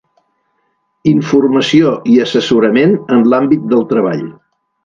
Informació i assessorament en l'àmbit del treball.